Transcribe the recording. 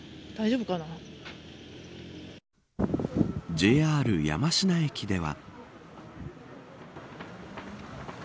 ＪＲ山科駅では。